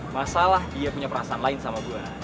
masalah dia punya perasaan lain sama buah